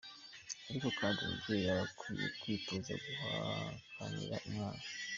Ariko kandi umubyeyi aba akwiye kwitoza guhakanira umwana.